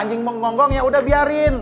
anjing bengong bengong ya udah biarin